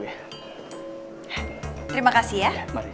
terima kasih ya